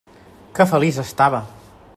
Que feliç estava!